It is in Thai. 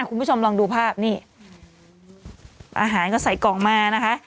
คุณผู้ชมลองดูภาพนี่อาหารก็ใส่กล่องมานะคะ